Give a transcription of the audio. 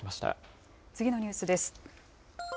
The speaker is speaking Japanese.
次のニュースです。